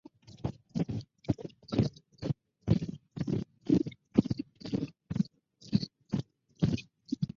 Como banda fue admitiendo nuevos miembros a medida que evolucionaba musicalmente.